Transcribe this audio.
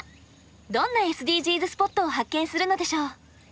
どんなＳＤＧｓスポットを発見するのでしょう。